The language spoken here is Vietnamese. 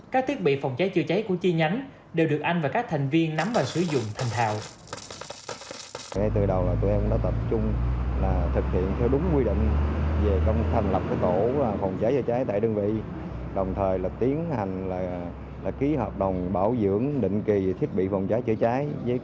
các thiết bị phòng cháy chữa cháy của chi nhánh đều được anh và các thành viên nắm và sử dụng thành thạo